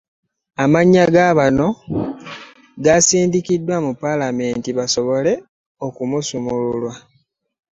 Amannya ga bano yasindikiddwa mu Paalamenti basobole okusunsulwa.